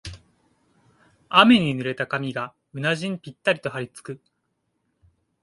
雨に濡れた髪がうなじにぴったりとはりつく